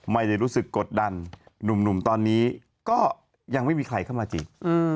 ไม่ได้รู้สึกกดดันหนุ่มตอนนี้ก็ยังไม่มีใครเข้ามาจริง